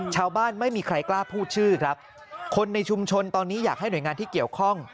ไม่มีใครกล้าพูดชื่อครับคนในชุมชนตอนนี้อยากให้หน่วยงานที่เกี่ยวข้อง